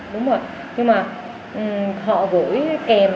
đúng rồi nhưng mà họ gửi kèm